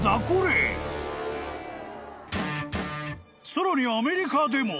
［さらにアメリカでも］